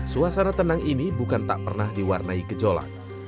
suasana tenang ini bukan tak pernah diwarnai gejolak